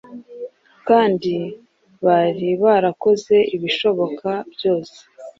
Kandi bari barakoze ibishoboka byose